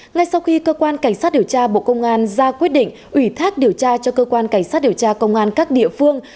ngay sau khi cơ quan cảnh sát điều tra bộ công an ra quyết định ủy thác điều tra cho cơ quan cảnh sát điều tra công an các địa phương